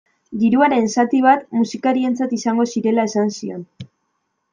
Diruaren zati bat musikarientzat izango zirela esan zion.